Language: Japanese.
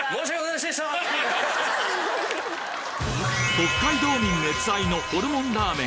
北海道民熱愛のホルモンラーメン